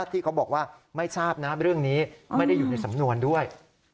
ที่เขาบอกว่าไม่ทราบนะเรื่องนี้ไม่ได้อยู่ในสำนวนด้วย